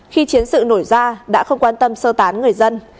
khi chiến sự nổi ra đã không quan tâm sơ tán người dân